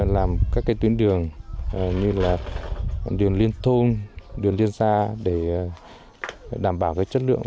làm các cái tuyến đường như là đường liên thôn đường liên xa để đảm bảo cái chất lượng